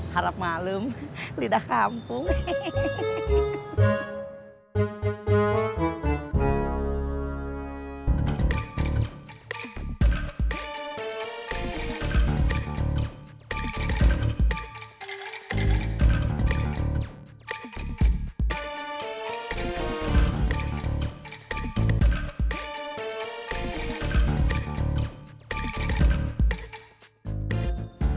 harap malam lidah kampung